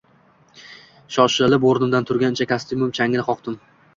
Shoshilib o`rnimdan turgancha, kostyumim changini qoqdim